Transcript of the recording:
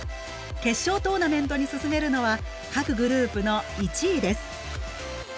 決勝トーナメントに進めるのは各グループの１位です。